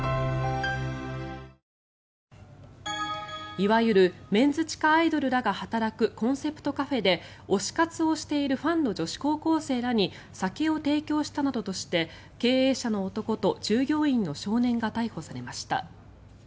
いわゆるメンズ地下アイドルらが働くコンセプトカフェで推し活をしているファンの女子高校生らに酒を提供したなどとして経営者の男と従業員の少年が逮捕されました。